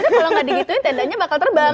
kalau nggak digituin tendanya bakal terbang